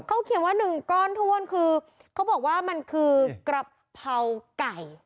เขาเขียนว่าหนึ่งก้อนถ้วนคือเขาบอกว่ามันคือกะเพราไก่